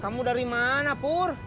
kamu dari mana pur